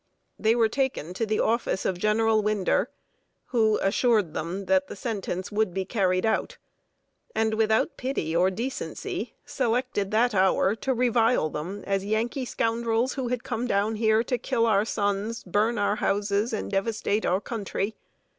They were taken to the office of General Winder, who assured them that the sentence would be carried out; and without pity or decency, selected that hour to revile them as Yankee scoundrels who had "come down here to kill our sons, burn our houses, and devastate our country."